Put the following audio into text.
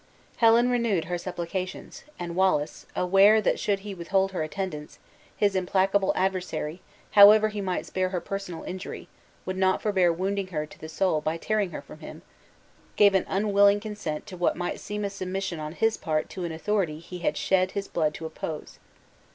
Helen renewed her supplications; and Wallace (aware that should he withhold her attendance, his implacable adversary, however he might spare her personal injury, would not forbear wounding her to the soul by tearing her from him) gave an unwilling consent to what might seem a submission on his part to an authority he had shed his blood to oppose.